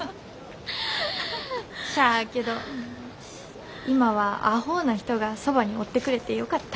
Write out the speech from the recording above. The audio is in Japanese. しゃあけど今はあほうな人がそばにおってくれてよかった。